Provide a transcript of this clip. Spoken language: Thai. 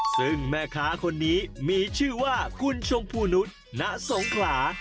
ซึ่งแม่ค้าคนนี้มีชื่อว่าคุณชมพูนุษย์ณสงขรา